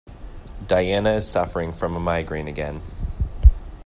Diana is suffering from migraine again.